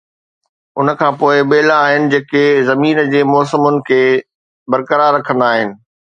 ان کان پوءِ ٻيلا آهن جيڪي زمين جي موسمن کي برقرار رکندا آهن.